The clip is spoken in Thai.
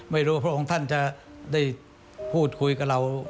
ไม่รู้ว่าพระองค์ท่านจะได้พูดคุยกับเรา